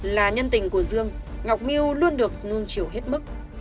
là nhân tình của dương ngọc miêu luôn được nương chiều hết mức